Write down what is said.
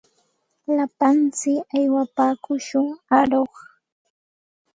Lapantsik aywapaakushun aruq.